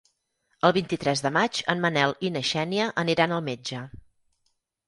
El vint-i-tres de maig en Manel i na Xènia aniran al metge.